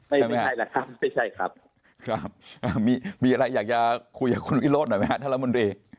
ไม่ใช่แหละครับไม่ใช่ครับครับมีมีอะไรอยากจะคุยกับคุณวิโรธหน่อยไหมครับท่านรัฐมนตรี